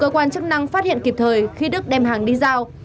cơ quan chức năng phát hiện kịp thời khi đức đem hàng đi giao